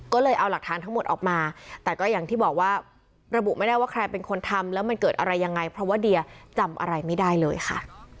ก็เลยเอาหลักฐานทั้งหมดออกมาแต่ก็อย่างที่บอกว่าระบุไม่ได้ว่าใครเป็นคนทำแล้วมันเกิดอะไรยังไงเพราะว่าเดียจำอะไรไม่ได้เลยค่ะ